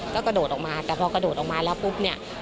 ก็กระโดดออกมาแต่พอกระโดดออกมาแล้วปุ๊บเนี่ย